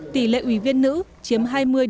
tỷ lệ ủy viên nữ chiếm hai mươi ba mươi